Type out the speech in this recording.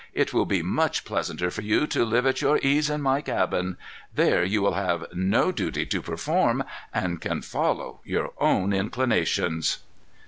It will be much pleasanter for you to live at your ease in my cabin. There you will have no duty to perform, and can follow your own inclinations."